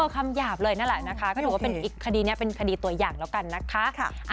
คำหยาบเลยนั่นแหละนะคะก็ถือว่าเป็นอีกคดีนี้เป็นคดีตัวอย่างแล้วกันนะคะ